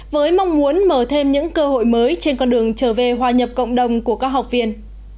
với mong muốn mở thêm những cơ hội mới trên con đường trở về hòa nhập cộng đồng của các học viên